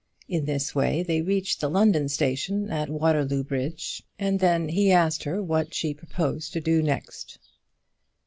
In this way they reached the London station at Waterloo Bridge, and then he asked her what she proposed to do next.